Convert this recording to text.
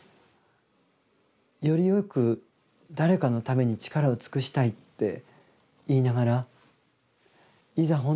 よりよく誰かのために力を尽くしたいって言いながらいざ